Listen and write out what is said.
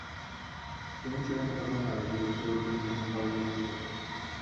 তিনি ছিলেন প্রথম নারী, যিনি পুরুষদের জন্য কলেজে ভর্তি হয়েছিলেন।